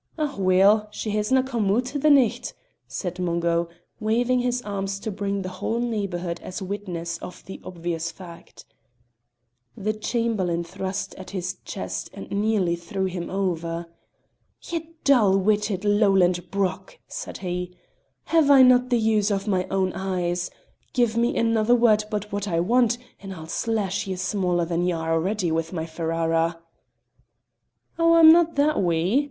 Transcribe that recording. "Oh, weel; she hisna come oot the nicht," said Mungo, waving his arms to bring the whole neighbourhood as witness of the obvious fact. The Chamberlain thrust at his chest and nearly threw him over. "Ye dull witted Lowland brock!" said he; "have I no' the use of my own eyes? Give me another word but what I want and I'll slash ye smaller than ye are already with my Ferrara." "Oh, I'm no' that wee!"